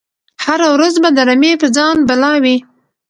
هره ورځ به د رمی په ځان بلا وي